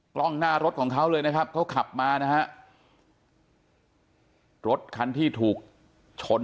กล้องหน้ารถของเขาเลยเขาขับมารถที่ถูกชน